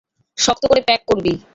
শক্ত করে প্যাক করবি।